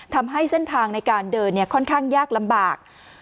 ทำให้เส้นทางในการเดินค่อนข้างยากลำบาก